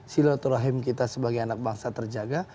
silaturahim kita sebagai anak bangsa terjaga